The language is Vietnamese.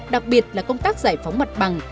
đặc biệt là công tác giải phóng mặt bằng